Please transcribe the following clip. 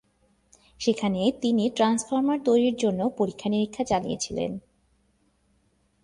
সেখানে তিনি ট্রান্সফর্মার তৈরির জন্য পরীক্ষা-নিরীক্ষা চালিয়েছিলেন।